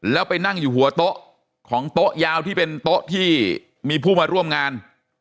แล้วไปนั่งอยู่หัวโต๊ะของโต๊ะยาวที่เป็นโต๊ะที่มีผู้มาร่วมงาน